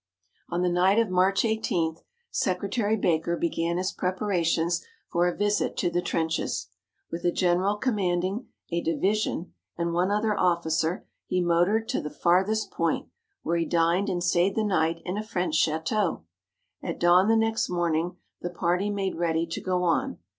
On the night of March 18 Secretary Baker began his preparations for a visit to the trenches. With a general commanding a division and one other officer he motored to the farthest point, where he dined and stayed the night in a French château. At dawn the next morning the party made ready to go on.